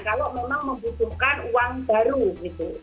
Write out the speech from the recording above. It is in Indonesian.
kalau memang membutuhkan uang baru gitu